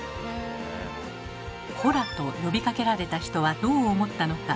「コラ」と呼びかけられた人はどう思ったのか？